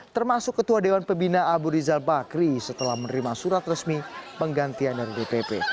termasuk ketua dewan pembina abu rizal bakri setelah menerima surat resmi penggantian dari dpp